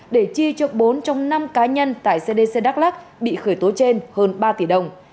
để chi cho bốn trong năm cá nhân tại cdc đắk lắc bị khởi tố trên hơn ba tỷ đồng